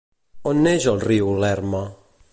On neix el riu Lerma?